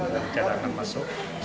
dan cadangan masuk